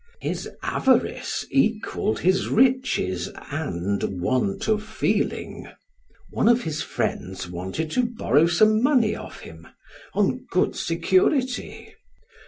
His avarice equalled his riches and want of feeling. One of his friends wanted to borrow some money of him, on good security.